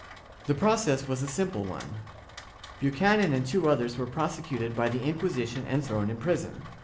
The process was a simple one. Buchanan and two others were prosecuted by the Inquisition and thrown in prison.